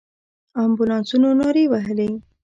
امبولانسونو نارې وهلې.